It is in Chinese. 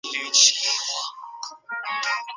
毛虫主要在伞树属的植物摄食。